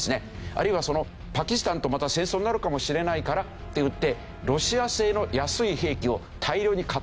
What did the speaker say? あるいはパキスタンとまた戦争になるかもしれないからっていってロシア製の安い兵器を大量に買ってるんですよ。